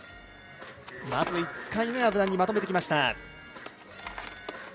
まず１回目は無難にまとめてきました。